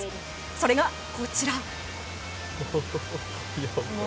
それが、こちら。